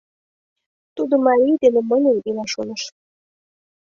Тудо марий дене мыньым ила шоныш.